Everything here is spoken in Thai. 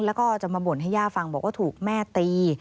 แล้วก็จะมาบ่นให้ย่าฟังบอกว่าถูกแม่ตี